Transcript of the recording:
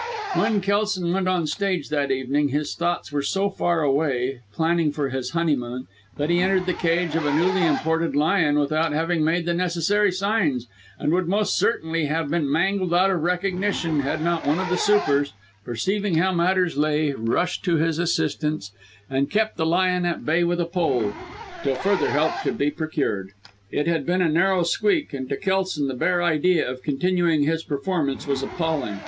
When Kelson went on the stage, that evening, his thoughts were so far away planning for his honeymoon that he entered the cage of a newly imported lion without having made the necessary signs, and would most certainly have been mangled out of recognition, had not one of the supers, perceiving how matters lay, rushed to his assistance, and kept the lion at bay with a pole, till further help could be procured. It had been a narrow squeak, and to Kelson the bare idea of continuing his performance was appalling.